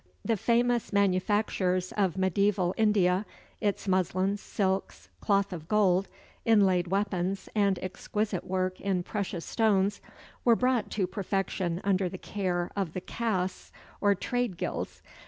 The famous manufactures of mediæval India, its muslins, silks, cloth of gold, inlaid weapons, and exquisite work in precious stones were brought to perfection under the care of the castes or trade guilds.